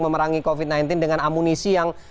memerangi covid sembilan belas dengan amunisi yang